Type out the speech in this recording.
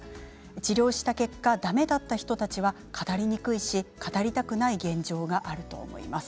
治療した結果だめだった人たちは語りにくいし語りたくない現状があると思います。